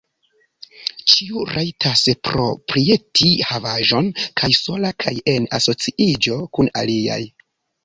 Ĉiu rajtas proprieti havaĵon, kaj sola kaj en asociiĝo kun aliaj.